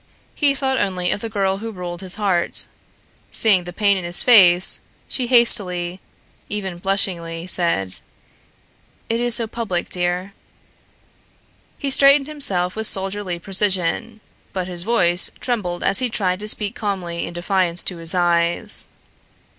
He thought only of the girl who ruled his heart. Seeing the pain in his face, she hastily, even blushingly, said: "It is so public, dear." He straightened himself with soldierly precision, but his voice trembled as he tried to speak calmly in defiance to his eyes.